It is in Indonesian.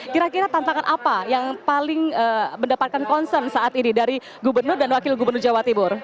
kira kira tantangan apa yang paling mendapatkan concern saat ini dari gubernur dan wakil gubernur jawa timur